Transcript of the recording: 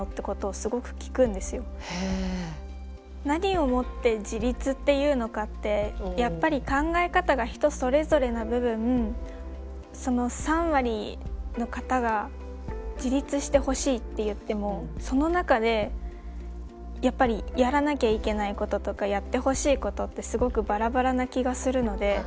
何をもって自立っていうのかってやっぱり考え方が人それぞれな部分その３割の方が自立してほしいって言ってもその中でやっぱりやらなきゃいけないこととかやってほしいことってすごくバラバラな気がするので。